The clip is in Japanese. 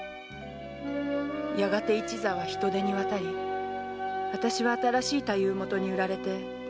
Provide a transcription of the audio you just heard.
やがて一座は人手に渡りあたしは新しい太夫元に売られて吉原にきたんです。